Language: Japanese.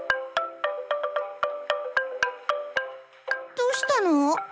どうしたの？